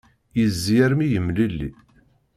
Yezzi armi yemlelli.